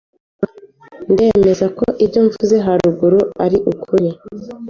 Ndemeza ko ibyo mvuze haruguru ari ukuri.